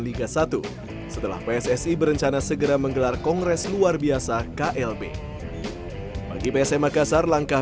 liga satu setelah pssi berencana segera menggelar kongres luar biasa klb bagi psm makassar langkah